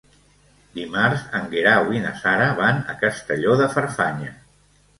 Dimarts en Guerau i na Sara van a Castelló de Farfanya.